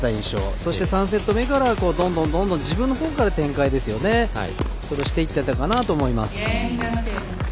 そして、３セット目からどんどん自分のほうから展開をしていってたかなと思います。